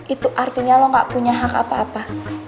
itu artinya lo gak punya hak apa apa